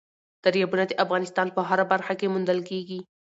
دریابونه د افغانستان په هره برخه کې موندل کېږي.